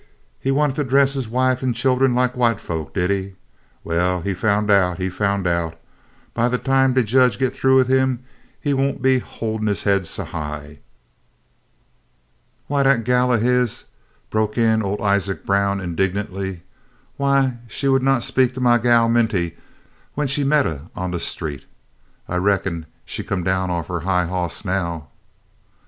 "He wanted to dress his wife an' chillen lak white folks, did he? Well, he foun' out, he foun' out. By de time de jedge git thoo wid him he won't be hol'in' his haid so high." "Wy, dat gal o' his'n," broke in old Isaac Brown indignantly, "w'y, she would n' speak to my gal, Minty, when she met huh on de street. I reckon she come down off'n huh high hoss now."